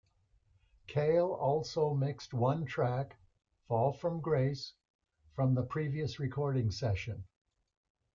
Cale also mixed one track, "Fall from Grace", from the previous recording session.